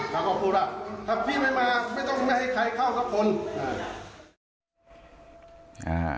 เขาก็พูดว่าถ้าพี่ไม่มาไม่ต้องไม่ให้ใครเข้าสักคนอ่า